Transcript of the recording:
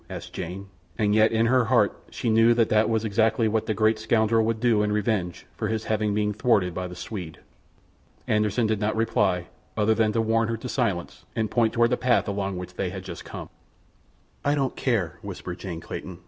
asked Jane, and yet in her heart she knew that that was exactly what the great scoundrel would do in revenge for his having been thwarted by the Swede. Anderssen did not reply, other than to warn her to silence and point toward the path along which they had just come. "I don't care," whispered Jane Clayton.